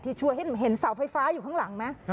ชัวร์เห็นเสาไฟฟ้าอยู่ข้างหลังไหม